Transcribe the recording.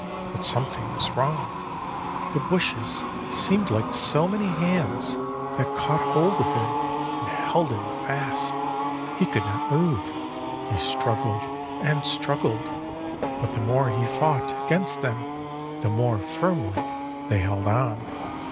But something was wrong; the bushes seemed like so many hands, that caught hold of him, and held him fast. He could not move. He struggled and struggled, but the more he fought against them, the more firmly they held on.